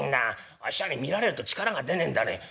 あっしはね見られると力が出ねえんだね。